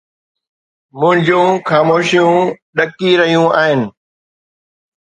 منهنجون خاموشيون ڏڪي رهيون آهن